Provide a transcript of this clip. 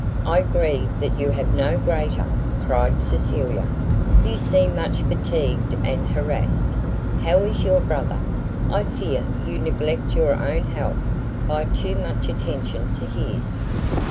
"I grieve that you have no greater;" cried Cecilia, "you seem much fatigued and harassed. How is your brother? I fear you neglect your own health, by too much attention to his."